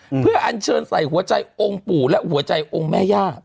เพื่ออัญเชิญใส่หัวใจองค์ปู่และหัวใจองค์แม่ย่า